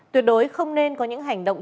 tuyệt đối không nên có những hành động